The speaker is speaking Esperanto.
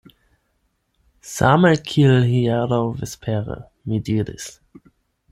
Same kiel hieraŭ vespere, mi diris.